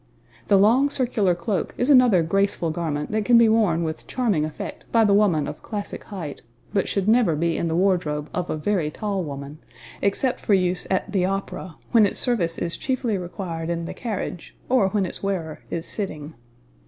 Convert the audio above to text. The long circular cloak is another graceful garment that can be worn with charming effect by the woman of classic height, but should never be in the wardrobe of a very tall woman except for use at the opera, when its service is chiefly required in the carriage, or when its wearer is sitting.